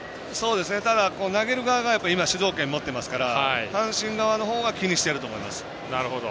ただ、投げる側が主導権持ってますから阪神側の方は気にしてると思います。